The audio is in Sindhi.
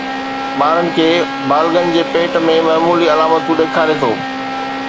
ٻارن کي بالغن جي ڀيٽ ۾ معمولي علامتون ڏيکاري ٿو